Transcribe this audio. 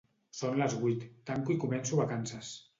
Son les vuit, tanco i començo vacances